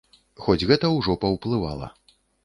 Хоць гэта ўжо паўплывала.